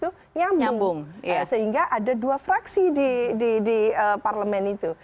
itu nyambung sehingga ada dua fraksi di parlemen itu